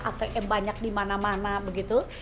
atau banyak di mana mana begitu